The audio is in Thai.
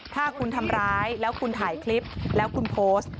ถ้าคุณทำร้ายแล้วคุณถ่ายคลิปแล้วคุณโพสต์